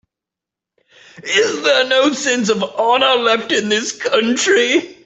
Is there no sense of honor left in this country?